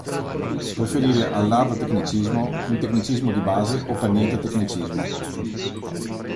Preferire all'hard tecnicismo un tecnicismo di base o per niente tecnicismo.